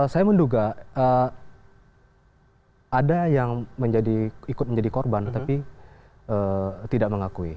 saya menduga ada yang ikut menjadi korban tapi tidak mengakui